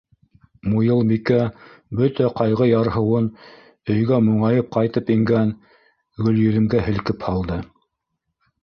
Муйылбикә бөтә ҡайғы-ярһыуын өйгә моңайып ҡайтып ингән Гөлйөҙөмгә һелкеп һалды.